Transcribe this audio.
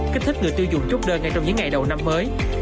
kích thích người tiêu dùng trúc đơ ngay trong những ngày đầu năm mới